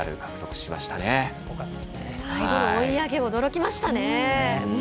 最後、追い上げ驚きましたね。